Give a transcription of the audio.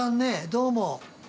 どうも。